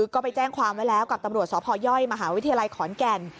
ก็ไปแจ้งความไว้แล้วกับตำรวจสพยมหาวิทยาลัยขอนแก่น